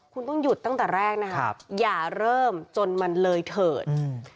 คุณต้องหยุดตั้งแต่แรกนะครับอย่าเริ่มจนมันเลยเถิดอืม